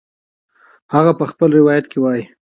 هغه په خپل روایت کې وایي